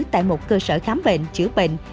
tại một cơ sở khám bệnh chữa bệnh